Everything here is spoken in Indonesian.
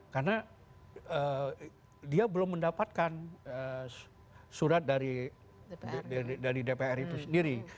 karena dia belum mendapatkan surat dari dpr itu sendiri